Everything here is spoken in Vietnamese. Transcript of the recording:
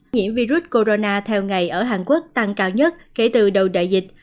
nhiễm virus corona theo ngày ở hàn quốc tăng cao nhất kể từ đầu đại dịch